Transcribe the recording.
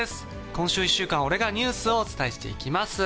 今週１週間、俺がニュースをお伝えしていきます。